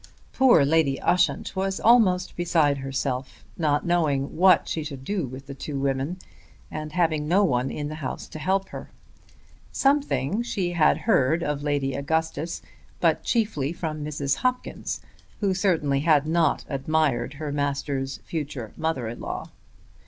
Poor Lady Ushant was almost beside herself, not knowing what she would do with the two women, and having no one in the house to help her. Something she had heard of Lady Augustus, but chiefly from Mrs. Hopkins who certainly had not admired her master's future mother in law.